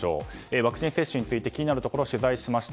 ワクチン接種について気になる点を取材しました。